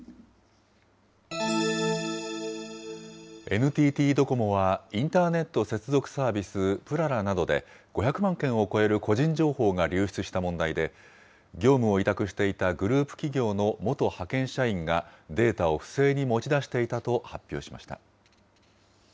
ＮＴＴドコモは、インターネット接続サービス、ぷららなどで、５００万件を超える個人情報が流出した問題で、業務を委託していたグループ企業の元派遣社員がデータを不正に持ち出していたと発表しました。